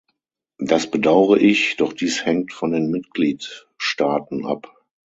Das bedauere ich, doch dies hängt von den Mitgliedstaaten ab.